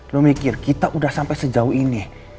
lo mikir kita udah sampai sejauh ini